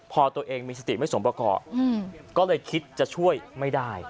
พอตัวเองมีสติไม่สมประกอบก็เลยคิดจะช่วยไม่ได้